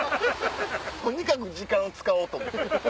とにかく時間を使おうと思って。